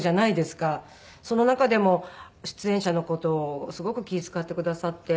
その中でも出演者の事をすごく気を使ってくださって。